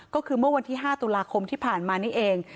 ก็คือเมื่อวันที่๕ตุลาคมที่ผ่านมานี่เอง